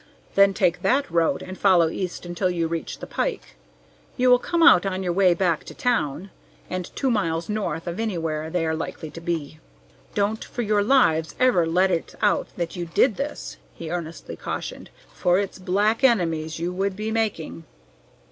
Then take that road and follow east until you reach the pike. You will come out on your way back to town, and two miles north of anywhere they are likely to be. Don't for your lives ever let it out that you did this," he earnestly cautioned, "for it's black enemies you would be making."